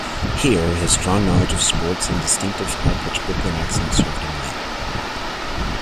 Here, his strong knowledge of sports and distinctive, high-pitched Brooklyn accent served him well.